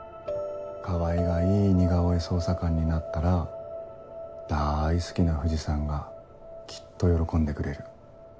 川合がいい似顔絵捜査官になったらだい好きな藤さんがきっと喜んでくれる。